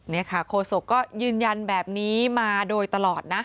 นี่ค่ะโคศกก็ยืนยันแบบนี้มาโดยตลอดนะ